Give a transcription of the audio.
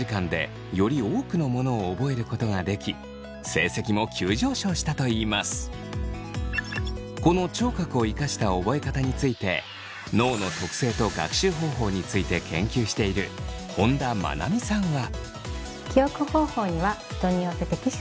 その結果この聴覚を生かした覚え方について脳の特性と学習方法について研究している本田真美さんは。